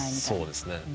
そうですね。